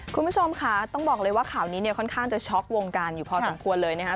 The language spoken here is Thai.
คุณผู้ชมค่ะต้องบอกเลยว่าข่าวนี้เนี่ยค่อนข้างจะช็อกวงการอยู่พอสมควรเลยนะครับ